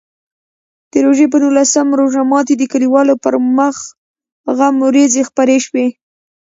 د روژې په نولسم روژه ماتي د کلیوالو پر مخ غم وریځې خپرې شوې.